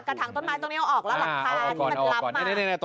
อากาศทางต้นไม้ตรงนี้เอาออกแล้วหลักภาพที่มันรับมา